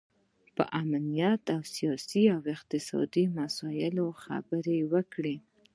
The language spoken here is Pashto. په امنیتي، سیاسي او اقتصادي مسایلو خبرې وکړي